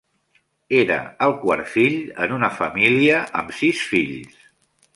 Era el quart fill en una família amb sis fills.